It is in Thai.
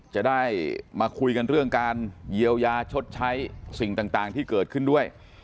จะได้มาคุยกันเรื่องการเยียวยาชดใช้สิ่งต่างที่เกิดขึ้นด้วย